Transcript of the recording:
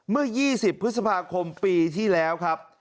เมื่อ๒๐พฤษภาคมปีที่แล้วครับ